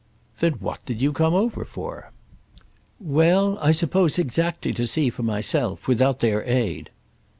"Then what did you come over for?" "Well, I suppose exactly to see for myself—without their aid."